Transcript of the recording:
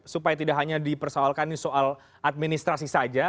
supaya tidak hanya dipersoalkan ini soal administrasi saja